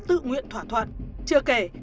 tự nguyện thỏa thuận chưa kể